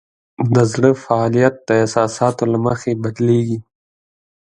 د زړه فعالیت د احساساتو له مخې بدلېږي.